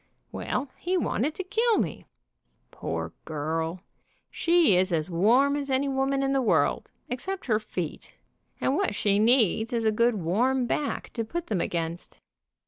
Well, he wanted to kill me. Poor girl, she is as warm as any woman in the world, except her feet, and what she needs is a good warm back to put them against.